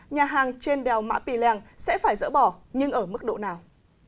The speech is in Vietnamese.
nhà hàng trên đèo mã pì lèng sẽ phải dỡ bỏ nhưng ở mức độ nào